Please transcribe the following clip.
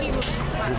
menu kayak eropaan gitu